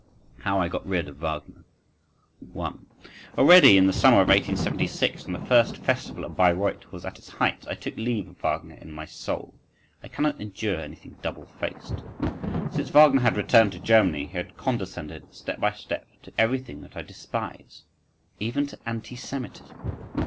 — How I Got Rid Of Wagner. 1. Already in the summer of 1876, when the first festival at Bayreuth was at its height, I took leave of Wagner in my soul. I cannot endure anything double faced. Since Wagner had returned to Germany, he had condescended step by step to everything that I despise—even to anti Semitism.